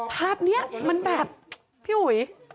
ภาพนี้มันแบบพี่อุ๋ย